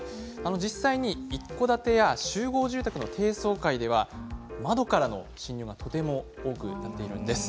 実際、一戸建てや集合住宅の低層階では窓からの侵入がとても多くなっているんです。